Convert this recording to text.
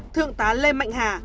thượng tá lê mạnh hà